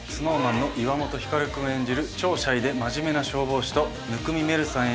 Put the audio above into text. ＳｎｏｗＭａｎの岩本照君演じる超シャイで真面目な消防士と生見愛瑠さん